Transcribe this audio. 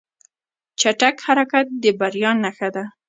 چټک حرکت د بریا نښه ده.